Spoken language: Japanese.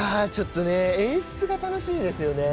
演出が楽しみですよね。